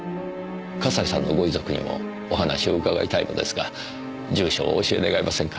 笠井さんのご遺族にもお話を伺いたいのですが住所をお教え願えませんか？